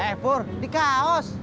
eh pur di kaos